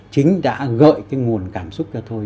chính đã gợi cái nguồn cảm xúc ra thôi